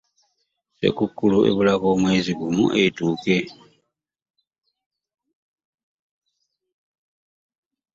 Ssekukulu ebulako omwezi gumu etuuke.